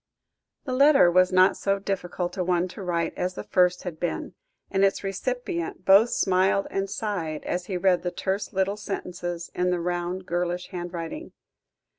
The letter was not so difficult a one to write as the first had been, and its recipient both smiled and sighed, as he read the terse little sentences in the round, girlish handwriting.